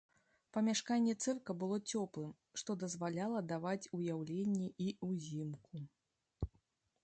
Памяшканне цырка было цёплым, што дазваляла даваць уяўленні і ўзімку.